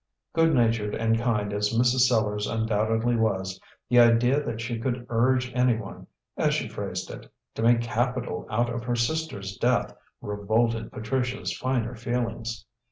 Good natured and kind as Mrs. Sellars undoubtedly was, the idea that she could urge anyone as she phrased it to make capital out of her sister's death, revolted Patricia's finer feelings.